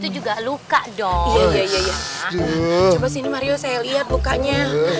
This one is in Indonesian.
juga luka dong ya ya ya coba sini saya lihat bukanya